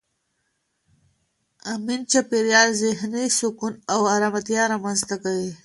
امن چاپېریال ذهني سکون او ارامتیا رامنځته کوي.